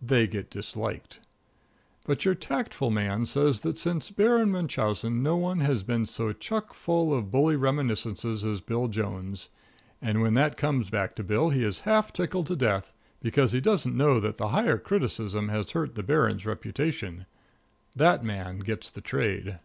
They get disliked. But your tactful man says that since Baron Munchausen no one has been so chuck full of bully reminiscences as Bill Jones; and when that comes back to Bill he is half tickled to death, because he doesn't know that the higher criticism has hurt the Baron's reputation. That man gets the trade.